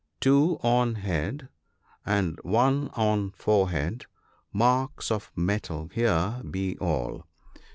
" Two on head, and one on forehead, marks of mettle here be all.